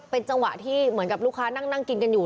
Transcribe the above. เป็นจังหวะที่เหมือนกับลูกค้านั่งกินกันอยู่